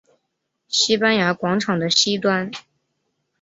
西班牙广场的西端。